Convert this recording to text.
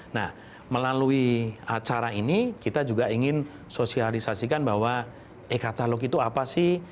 nah melalui acara ini kita juga ingin sosialisasikan bahwa e katalog itu apa sih